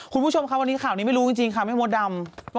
คุณผู้ชมครับวันนี้ข่าวนี้ไม่รู้จริงค่ะพี่มดดำ